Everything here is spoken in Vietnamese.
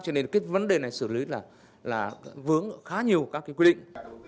cho nên cái vấn đề này sử lý là vướng khá nhiều các cái quy định